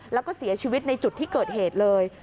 แล้วก็เสียชีวิตในจุดที่เกิดเหตุเลย